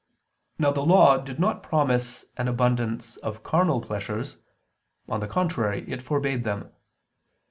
Now the Law did not promise an abundance of carnal pleasures; on the contrary, it forbade them.